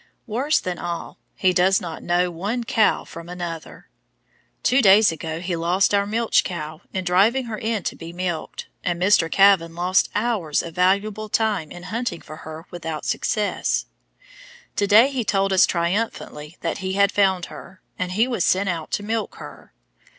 Worse than all, he does not know one cow from another. Two days ago he lost our milch cow in driving her in to be milked, and Mr. Kavan lost hours of valuable time in hunting for her without success. To day he told us triumphantly that he had found her, and he was sent out to milk her.